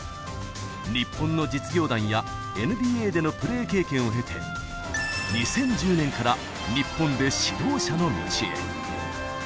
日本の実業団やＮＢＡでのプレー経験を経て、２０１０年から日本で指導者の道へ。